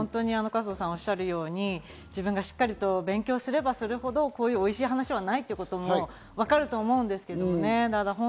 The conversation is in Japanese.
加藤さんがおっしゃるように、自分がしっかり勉強すればするほど、おいしい話はないってことが分かると思うんですよね。